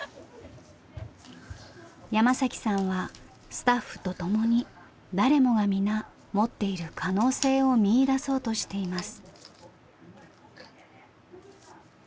山さんはスタッフと共に誰もが皆持っている可能性を見いだそうとしています。